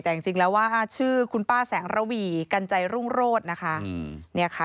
แต่จริงแล้วว่าชื่อคุณป้าแสงระวีกันใจรุ่งโรธนะคะ